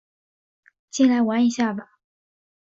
进来玩一下吧